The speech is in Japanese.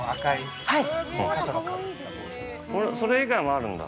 ◆それ以外もあるんだ。